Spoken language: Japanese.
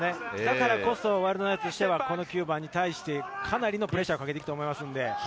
だからこそワイルドナイツとしては９番に対して、かなりのプレッシャーをかけていくと思います。